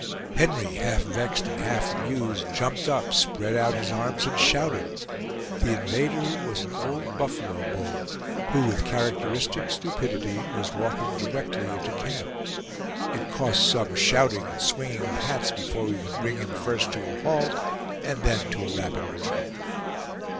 Henry, half vexed and half amused, jumped up, spread out his arms, and shouted. The invader was an old buffalo bull, who with characteristic stupidity, was walking directly into camp. It cost some shouting and swinging of hats before we could bring him first to a halt and then to a rapid retreat.